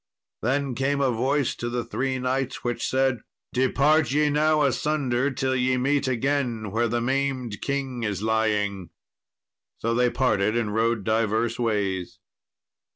Then came a voice to the three knights which said, "Depart ye now asunder till ye meet again where the maimed king is lying." So they parted and rode divers ways.